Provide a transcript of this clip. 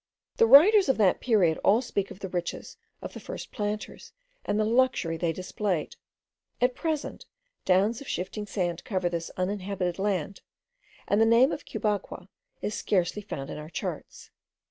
The writers of that period all speak of the riches of the first planters, and the luxury they displayed. At present, downs of shifting sand cover this uninhabited land, and the name of Cubagua is scarcely found in our charts.